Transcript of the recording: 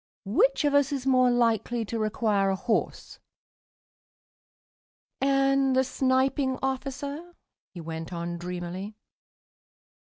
Which of us is more likely to require a horse?" "And the Sniping officer?" he went on dreamily.